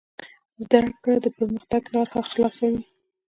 زده کړه د پرمختګ لاره خلاصوي.